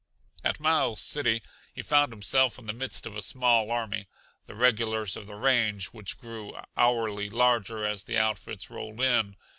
At Miles City he found himself in the midst of a small army, the regulars of the range which grew hourly larger as the outfits rolled in.